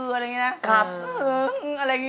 โฮลาเลโฮลาเลโฮลาเล